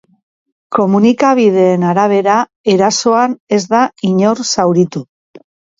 Komunikabideen arabera, erasoan ez da inor zauritu.